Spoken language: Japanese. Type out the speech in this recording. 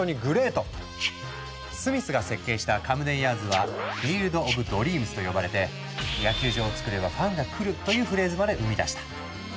スミスが設計したカムデンヤーズは「フィールドオブドリームス」と呼ばれてというフレーズまで生み出した。